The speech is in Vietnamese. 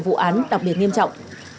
vụ án đặc biệt nghiêm trọng